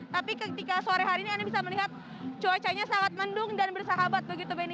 tapi ketika sore hari ini anda bisa melihat cuacanya sangat mendung dan bersahabat begitu beni